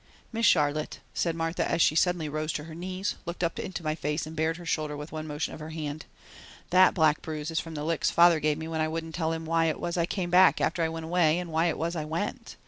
"Miss Charlotte," said Martha, as she suddenly rose to her knees, looked up into my face and bared her shoulder with one motion of her hand, "that black bruise is from the licks father gave me when I wouldn't tell him why it was I came back after I went away and why it was I went.